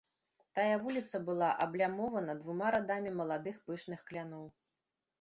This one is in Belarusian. Тая вуліца была аблямована двума радамі маладых пышных кляноў.